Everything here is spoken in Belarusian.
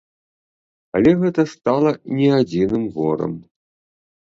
Але гэта стала не адзіным горам.